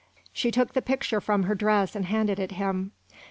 She took the picture from her dress and handed it him.